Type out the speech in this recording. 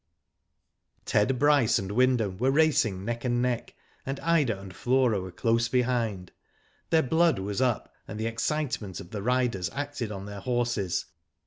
Ted Bryce and Wyndham were racing neck and neck, and Ida and Flora were close behind. Their blood was up, and the excitement of the riders acted on their horses.